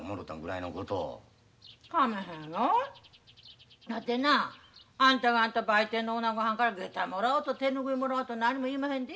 わてなあんたが売店のおなごはんから下駄もらおうと手拭いもらおうと何も言いまへんで。